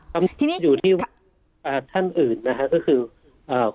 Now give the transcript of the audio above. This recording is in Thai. ที่นี่อยู่ที่อ่าท่านอื่นนะฮะก็คืออ่า